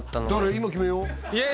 今決めようえー